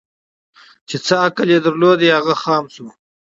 چي څه عقل یې درلودی هغه خام سو